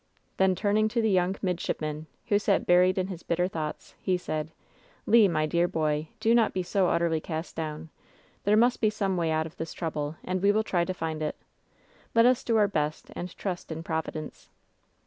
Then turning to the young midshipman^ who sat buried in his bitter thoughts, he said : "Le, my dear boy, do not be so utterly cast down. There must be some way out of this trouble, and we will try to find it. Let us do our best and trust in Providence."